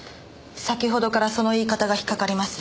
先ほどからその言い方が引っかかります。